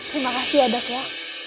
terima kasih ya dok ya